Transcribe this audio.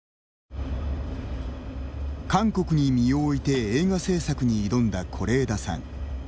韓国に身を置いて映画製作に挑んだ是枝さん。